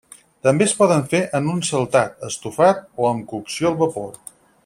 També es poden fer en un saltat, estofat, o amb cocció al vapor.